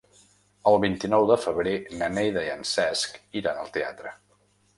El vint-i-nou de febrer na Neida i en Cesc iran al teatre.